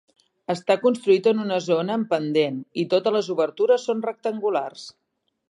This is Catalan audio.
Està construït en una zona en pendent i totes les obertures són rectangulars.